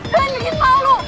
kalian bikin malu